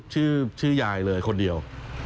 ชื่อยายเลยคนเดียว